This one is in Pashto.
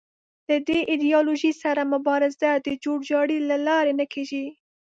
له دې ایدیالوژۍ سره مبارزه د جوړ جاړي له لارې نه کېږي